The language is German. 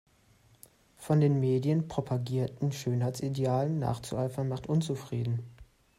Von den Medien propagierten Schönheitsidealen nachzueifern macht unzufrieden.